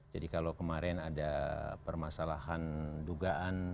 jadi kalau kemarin ada permasalahan dugaan